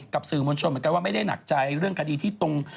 กับสื่อมนุชนมนุษย์ไม่ได้หนักใจด้วยเรื่องกะดิที่ตรง